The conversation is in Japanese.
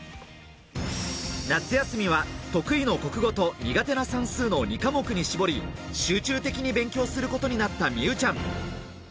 夏休みは得意の国語と苦手の算数の２科目に絞り、集中的に勉強することになった美羽ちゃん。